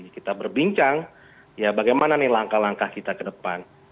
kita berbincang ya bagaimana nih langkah langkah kita ke depan